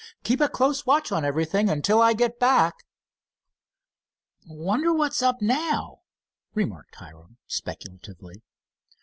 Keep a close watch on everything until I get back." "Wonder what's up now?" remarked Hiram, speculatively.